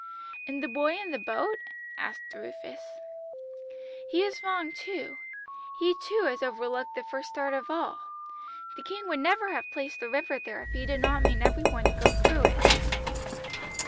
"'And the boy in the boat?' asked Rufus. "'He is wrong too, he too has overlooked the first start of all. The King would never have placed the river there if He did not mean every one to go through it.'